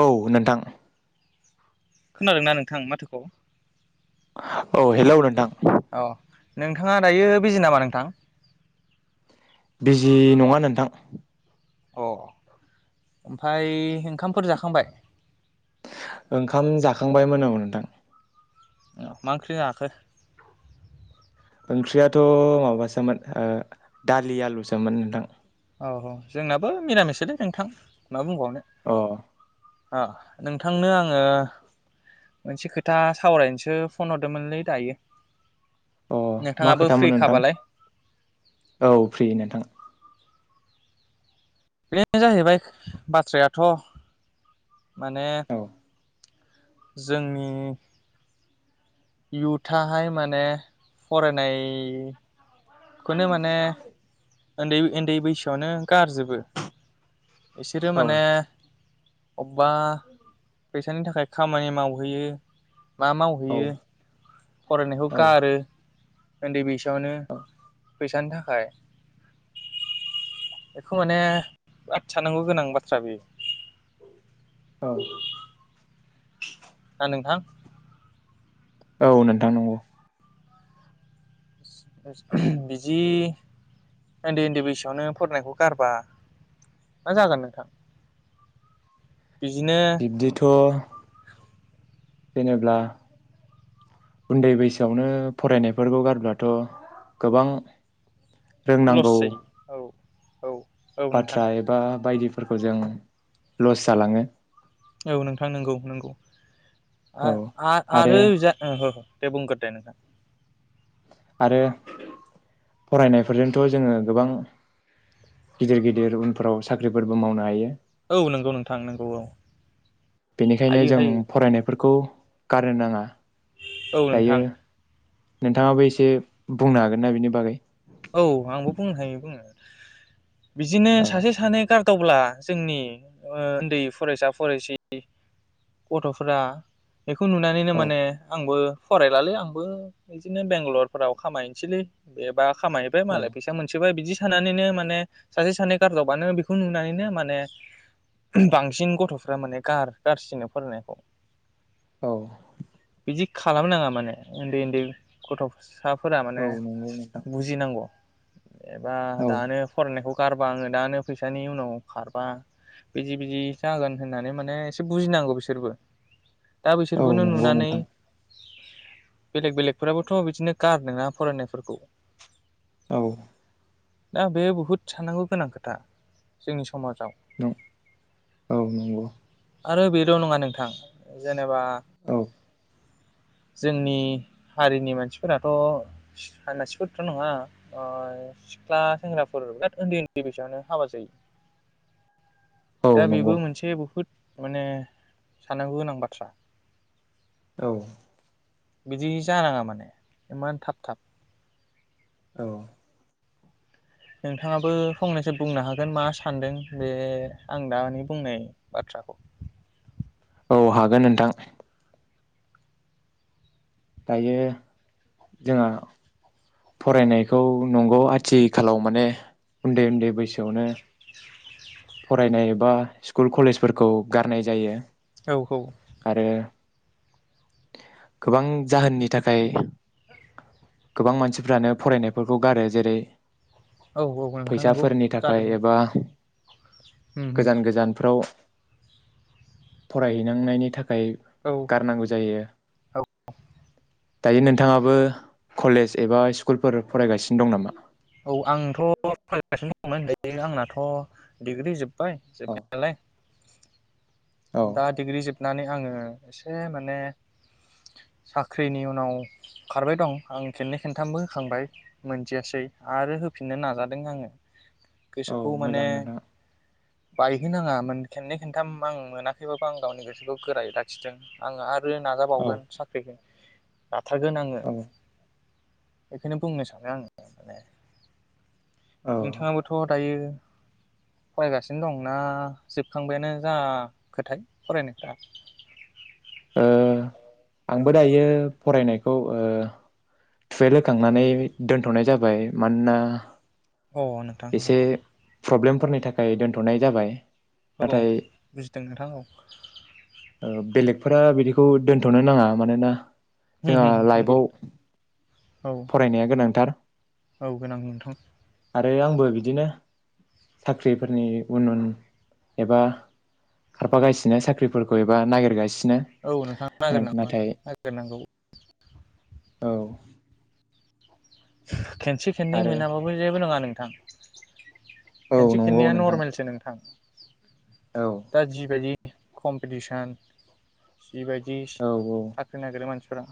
औ नोंथां खोनादोंना नोंथां माथोखौ औ हेलौ नोंथां अ नोंथाङा दायो बिजि नामा नोंथां बिजि नङा नोंथां अ ओमफ्राय ओंखामफोर जाखांबाय ओंखाम जाखांबायमोन औ नोंथां औ मा ओंख्रि जाखो ओंख्रियाथ' माबासोमोन ओ दालि आलुसोमोन नोंथां औ औ जोंनाबो निरामिस सोलै नोंथां मा बुंबावनो औ ओ नोंथांनो आङो मोनसे खोथा सावरायनोसो फन हरदोंमोनलै दायो अ मा नोंथाङाबो फ्रि खोथामोन नोंथां खाबालाय औ फ्रि नोंथां। बेनो जाहैबाय बाथ्रायाथ' माने औ जोंनि इउथाहाय माने फरायनाय [inaudible] उन्दै उन्दै बैसोआवनो गारजोबो बिसोरो औ माने अबबा फैसानि थाखाय खामानि मावहैयो। मा औ मावहैयो। फरायनायखौ‌ औ गारो ओन्दै बैसो आवनो फैसानि थाखाय बेखौ माने आद सखन्नांगौ गोनां बाथ्रा बेयो औ ना नोंथां। औ नोंथां नंगौ। बिदि ओन्दै ओन्दै बैसोआवनो फरायनायखौ गारबा मा जागोन नोंथां? बिदिनो बिब्दिथ' जेनेब्ला उन्दै बैसोआवनो फरायनायफोरखौ गारब्लाथ' गोबां लस रोंनांगौ जायो औ औ औ नोंथां बाथ्रा एबा बायदि फोरखौ जों लस जालाङो। औ नोंथां नोंगौ नोंगौ। आ‌ औ आ आरो जा दे बुंगोर दे नोंथां। आरो फरायनायफोरजोंथ' जोङो गोबां गिदिर गिदिर उनफोराव साख्रिफोरबो मावनो हायो। औ नोंगौ नोंथां नोंगौ औ। बेनिखायनो हायो जों हायो फरायनाय फोरखौ गारनो नाङा। औ दायो नोंथां। नोंथाङाबो एसे बुंनो हागोन ना बिनि बागै? औ आंबो बुंनो हायो बुङो बिदिनो औ सासे सानै गार दावब्ला जोंनि ओ उन्दै फरायसा फरासि गथ'फोरा बेखौ नुनानैनो औ माने आंबो फरायलालै आंबो इदिनो बेंगालरफोराव खामायनोसैलै बेबा खामायैबाय औ मालाय फैसा मोनसोबाय बिदि सानानैनो माने सासे सानै गारदावबानो बेखौ नुनानैनो माने बांसिन गथ'फ्रा माने गार गारसिनो फरायनायखौ औ बिदि खालामनााङा माने ओन्दै ओन्दै गथ'सा औ नोंगौ नोंथां । बुजिनांगौ एबा दानो फरायनायखौ गारबा आङो दानो फैसानि उनाव खारबा, बिदि बिदि जागोन होननानै माने एसे बुजिनांगौ बिसोरबो दा औ बिसोरखौनो नंगौ नुनानै नोंथां बेलेग बेलेगफोराबोथ' बिदिनो गार नाङा फरायनायफोरखौ औ दा बे बुहुत साननांगौ गोनां खोथा जोंनि सम समाजाव औ नंगौ आरो बेल' नङा नोंथां जेन नेबा औ जोंनि हारिनि मानसिफोराथ' साननासि थ्रा' नङा सिख्ला सेंग्राफोर बिराद उन्दै उन्दै बिसांनो हाबा जायो औ । दा नंगौ बेबो मोनसे बहुद माने साननांगौ गोनां बाथ्रा। औ बिदि जानाङा माने इमान थाब थाब। औ नोंथाङाबो फंनैसो बुंनो हागोन मा सानदों बे आं दानि बुंनाय बाथ्राखौ । औ हागोन नोंथां। दायो जोंहा फरायनायखौ नंगौ आथिखालाव माने उन्दै उन्दै बैसोआवनो फरायनाय बा स्कुल कलेजफोरखौ गारनाय जायो। औ औ आरो गोबां जाहोननि थाखाय, गोबां मानसिफ्रानो फरायनायफोरखौ गारो जेरै औ औ नोंथां नंगौ फैसाफोरनि थाखाय जादों एबा उम उम गोजान गोजान फ्राव फरायहैनांनायनि थाखाय। थाखाय औ गारनांगौ जायो। औ दायो नोंथाङाबो कलेज एबा स्कुलफोर फरायगासिनो दं नामा? औ आंथ' फरायगासिनो दं। दं आंनाथ' डिग्रि जोब जोब्बाय औ जोबनायालाय औ दा डिग्रि जोबनानै आङो एसे माने साख्रिनि उनाव खारबाय दं आं खेननै खनथामबो होखांबाय मोनजयाासै आरो होफिननो नाजादों आङो औ गोसोखौ माने मोजां नोंथां बाय हो नाङा खेननै खेनथाम आं मोनाखैबाबो आं गावनि गोसोखौ गोरायै लाखिदों आङो आरो। औ नाजाबावगोन साख्रिखौ जाथारगोन आङो औ बेखौनो बुंनो सानो आङो माने औ नोंथाङाबोथ दायो फरायगासिनो दंना जोबखांबायानो जा खोथाय फरायनायफ्रा ओ। आंबो दायो फरायनायखौ ओ थुवेलभ होखांनानै दोनथनाय जाबाय मानोना अ नोंथां एसे अ। प्रब्लेमफोरनि थाखाय दोनथनाय जाबाय औ नाथाय बुजिदों नोंथां औ। फोरा बिदिखौ दोनथनो नाङा मानोना होम जोंहा होम नंगौ लाइब‌आव नोंथां औ औ गोनां नोंथां। आरो आंबो बिदिनो साख्रिफोरनि उन उन एबा खारफागासिनो साख्रिफोरखौ एबा नागिरगासिनो औ नोंथाङा नागिरनांगौ नाथाय नागिरनांगौ औ। [inaudible] खेनसे खेननै आरो मोनाबाबो जेबो नङा। थां। औ खेनसे नंगौ खेननैआ नोंथां नरमेलसो नोंथां औ दाजिबायदि कमपिटसन बेबायदि औ थाखो नागिरो मानसि फोरा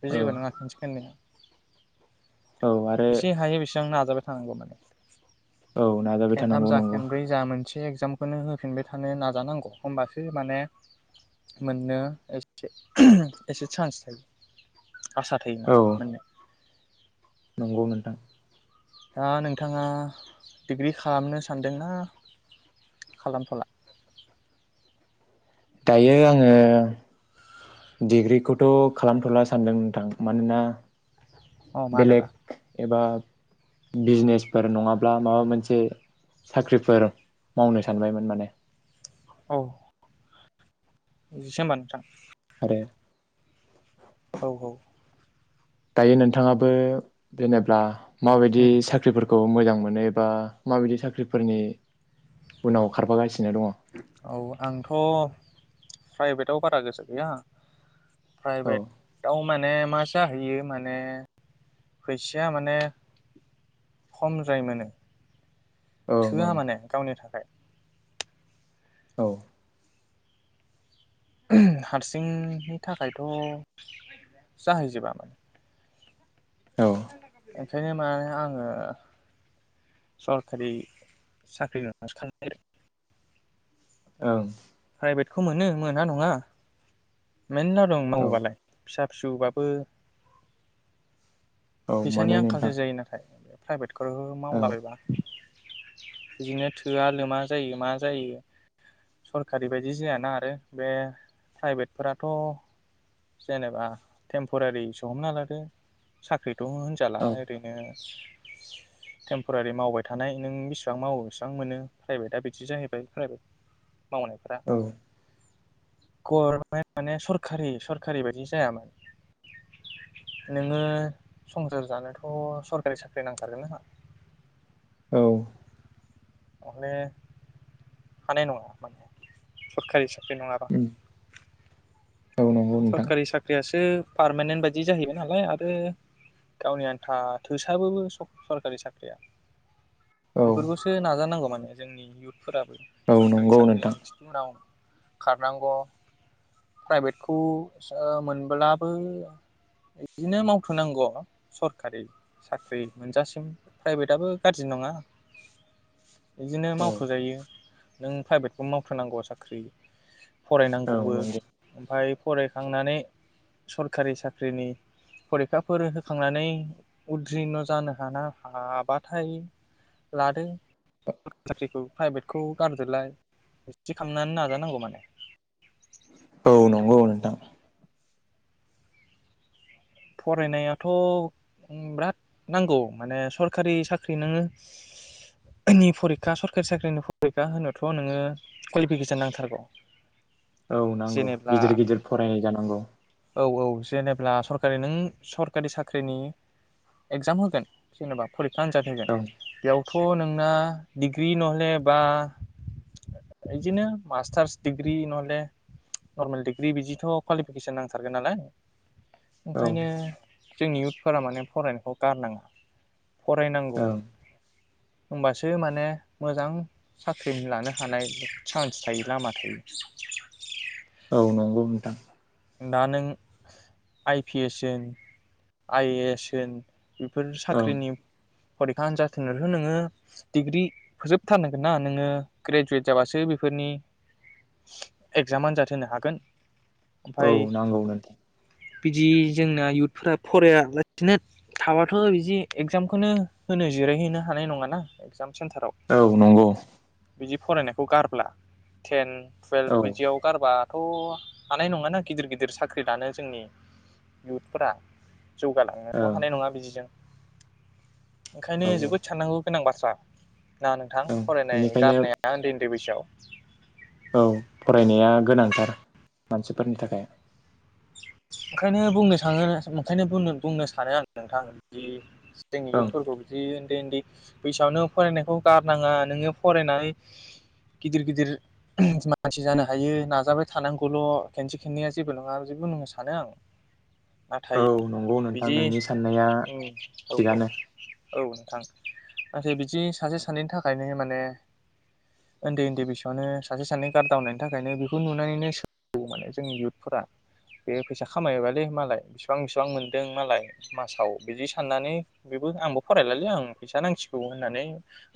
बे औ जबो नङा खोनसे खोननैआव औ आरो एसे हायो बेसेबां नाजाबाय थांगौ माने औ नाजाबाय थानांगौ नंगौ। से एगजामखौनो होफिनबाय थानो नाजानांगौ होनबासो माने मोननो एसे एसे सान्स थायो। आसा थायो औ माने मोननो। नंगौ नोंथां दा नोंथाङा डिग्रि खालामनो सानदोंना खालामथला? दायो आङो डिग्रिखौथ खालामथला सानदों नोंथां मानोना अ मानोबा बेलेग एबा बिजनेसफोर नङाब्ला माबा मोनसे साख्रिफोर मावनो सानबायमोन माने। औ इदिसो होंबा नोंथां। ओ औ औ दायो नोंथाङाबो जेनेब्ला माबायदि साख्रिफोरखौ मोजां मोनोबा माबायदि साख्रिफोरनि उनाव खारफागासि औ आंथ' प्राइभेटआव बारा गोसो गैया औ प्राइभेटआव मा ने मा जाहैयो माने फैसाया माने खमद्राय मोनो ओं थोआ ओं माने गावनि थाखाय औ हारसिंनि थाखायथ' जाहैजोबा माने औ [inaudible] ओंखायनो माने आङो सरखारि साख्रि [inaudible] औ प्राइभेटखौ मोनो मोना नङा मेरला दंङो औ मावोबालाय फिसा फिसौ बाबो औ फैसानि मोनो नोंथां आंखालसो जायो नाथाय प्राइभेट खो ओं मावलाबायबा बिदिनो थोआ लोमा जायो मा जायो सर खारि बायदि जायाना आरो बे प्राइभेटफोराथ' जेनेबा टेम्परारिसो हमना लादो साख्रि थ' होनजाला औ ओरैनो टेम्परारि मावबाय थानाय नों बेसेबां मावो बेसेबां मोनो प्राइभेटआ बिदि जाहैबाय प्राइभेट मावनायफोरा औ गरमेन्ट माने सरकारि सर खारि बायदि जायामोन नोङो संसार जानोथ' सरखारि साख्रि नांथारगोन ना औ माने हानाय नङा माने सरखारि सा बे नङाबा औ नंगौ नोंथां बियो पारमानेन्ट बायदि जाहैबाय नालाय आरो गावनि आन्था थोस्लाबो सरखारि साख्रिया औ बेफोरखौसो नाजानांगौ माने । जोंनि इयुथ फोराबो औ सरखारि नंगौ नोंथां साख्रिनि खिथु उनाव खारनांगौ प्राइभेट खौ सो उह मोनब्लाबो बिदिनो मावथ'नांगौ सरखारि साख्रि मोनजासिम प्राइभेटआबो गाज्रि नंङा । बिदिनो औ मावथ'जायो । नों प्राइभेटखौ मावथारनांगौआ साख्रि औ फरायनांगौबो नंगौ ओमफाय फरायखांनानै सरखारि साख्रिनि फरिखाफोर होखांनानै उद्रिन' जानो हाना हाबाथाय लादो साख्रिखौ प्राइभेटखौ गारदोलाय बिब्दि खालामनानै नाजानांगौ माने । औ नंगौ नोंथां । फरायनायाथ' ब्राद नांगौ माने सरखारि साख्रि नोङो नि फरिखा सरखारि साख्रिनि फरिखा होनोथ' नोङो कुवालिफिकेसन नांथारगौ । औ नांगौ गिदिर गिदिर फरायनाय जानांगौ । औ औ जेनेब्ला सर ओरै नों सरकारि साख्रिनि एकजाम होगोन जेनेबा फरिख खा आनजाद होगोन ओं बेयाव थ' नोंना डिग्रि नहले बा बिदिनो मास्टार्स डिग्रि नहले नर्मेल डिग्रि बिदिथ' क्वालिफिकेसन नांथारगोन नालाय । औ ओंखायनो जोंनि इयउथफोरा माने फरायनायखौ गारनांङा फरायनांगौ ओं होमबासो माने मोजां साख्रि लानो हानाय चान्स थायो लामा थायो । औ नंगौ नोंथां । दा नों आइ पि एस होन आइ ए एस होन बिफोर ओं साख्रिनि फरिखा आनजाद होनोथो नोङो डिग्रि फोजोबथारनांगोन ना नोङो ग्रेजुवेट जाबासो बेफोरनि एगजाम आन्जाद होनो हागोन । औ नांगौ नोथां । बिदि जोंना इयुथफोरा फरायालासिनो थाबाथ' बिदि एक्जामखौनो होनो जिरायहैनो हानाय नङा ना औ नंगौ बिदि फरायनायखौ गारब्ला टेन औ टुवेल्भ ओं बिदिआव गारबा थ' हा नाय नङा ना गिदिर गिदिर साख्रि लानो जोंनि इउथफोरा । औ जौगालांनोथ' हानाय नङा बिदिजों । ओंखायनो औ जोबोद साननांगौ गोनां बाथ्रा । ना नोंथां ओं फरायनाय बेनिखायनो गारनाया उन्दै दै बैसोआव। औ फरायनाया गोनांथार मानसिफोरनि थाखाय। ओंखायनो बुंनो सानो ओंखायनो बुंनो सानो आं नोंथां बिदि जोंनि ओं इयुतफोरखौ बिदि बे उन्दै बैसोआवनो फरायनायखौ गारनाङा नोङो फरायनानै गिदिर गिदिर मानसि जानो हायो नाजाबाय थानांगौल' खेनसे खेननैया जेबो नङा [unintelligible] सानो आं। औ नाथाय नंगौ नोंथां बिदि नोंनि साननाया उम औ थिगानो। औ नोंथां नाथाय बिदि सासे सानैनि थाखायनो माने उन्दै उन्दै बैसोआवनो सासे सानै गारदावनायनि थाखायनो बेखौ नुनानै सो माने जोंनि इयुथफोरा बे फैसा खामायबालै मालाय बेसिबां बिसिबां मोनदों मालाय मासाव बिदि साननानै बेबो आंबो फरायलालै आं फैसा नांसिगौ होननानै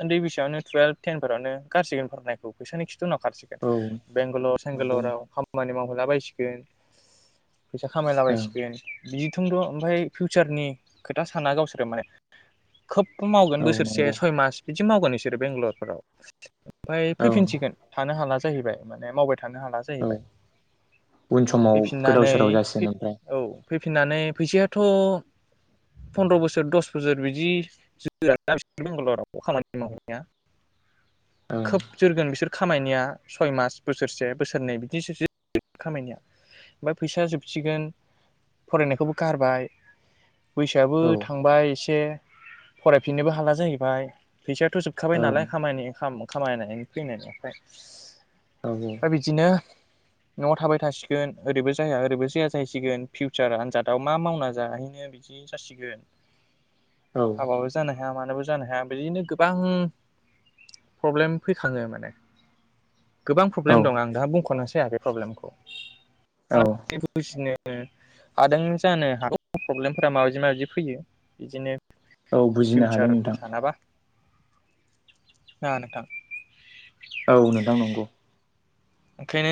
उन्दै बैसोयावनो टुवेल्भ टेनफोरावनो गारसिगोन फरायनायखौ फैसानि खि थि उनाव खारसिगोन औ बेंगालराव नंगौ सेंगालराव नोंथां खामानि माव हलाबायसिगोन। फैसा खामायलाबायसिगोन बि थोंद'ओमफाय फिउचारनि खोथा साना गावसोरो माने खोब मावगोन ओं औ बोसोरसे नंगौ सय मास बिदि मावगोन बिसोरो बेंगलरफोराव ओमफ्राय ओं फैफिनसिगोन थानो हाला जाहैबाय माने मावबाय। थानो हाला औ जाहैबाय उन समाव फैफिन [unintelligible] गोदाव सोराव जासिगोन ओमफ्राय फैफिननानै फैसाथ' [unintelligible] फन्द्र' बोसोर दस बोसोर बिदि जोरा बिसोर बेंगालराव खामानि मावहैनाया। खोब जोरगोन बिसोर। खामायनिया सय मास बोसोरसे बोसोरनै बिदिससो खामायनिया। ओमफ्राय फैसा जोबसिगोन फरायनायखौबो गारबाय बैसोआबो ओं औ थांबाय एसे फरायफिननोबो हाला जाहैबाय। फैसायाथ' जोबखाबाय नालाय ओं [unintelligible] खामायनायनि फैनायनिफ्राय औ दा बिदिनो न'आव थाबाय थासिगोन। ओरैबो जाया ओरैबो जाया जाहैसिगोन फिउचार आनजादाव मा मावना जाहैनो बिदि जासिगोन। हाबाबो जानाय। हाया मानोबो जानो हाया बिदिनो गोबां प्रब्लेम फैखाङो माने गोबां औ प्रब्लेम दं आं दा बुंख'नोसै हायाखै प्रब्लेमखौ। [unintelligible] औ ओ हादों जानो हागौ प्रब्लेमफोरा माबायदि माबायदि फैयो इदिनो औ बुजिनो हादों नोंथां। ना नोंथां औ नोंथां नंगौ। ओंखायनो